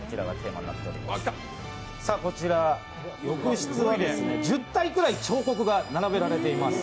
浴室は１０体くらい彫刻が並べられております。